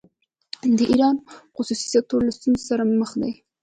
د ایران خصوصي سکتور له ستونزو سره مخ دی.